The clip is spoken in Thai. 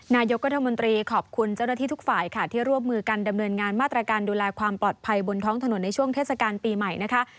นายกรัฐมนตรีขอบคุณเจ้าหน้าที่ทุกฝ่ายค่ะที่ร่วมมือกันดำเนินงานมาตรการดูแลความปลอดภัยบนท้องถนนในช่วงเทศกาลปีใหม่นะคะ